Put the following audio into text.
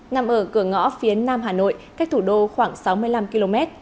nằm ở cửa ngõ phía nam hà nội cách thủ đô khoảng sáu mươi năm km